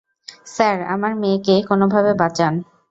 Sir, আমার মেয়েকে কোনোভাবে বাঁচান।